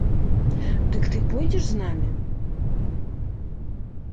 Дык ты пойдзеш з намі?